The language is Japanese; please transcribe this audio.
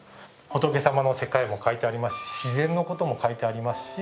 仏様の世界も描いてありますし自然のことも描いてありますし